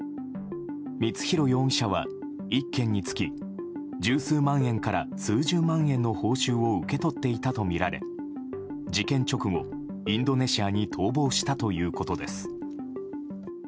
光弘容疑者は１件につき十数万円から数十万円の報酬を受け取っていたとみられ事件直後、インドネシアに逃亡したということです。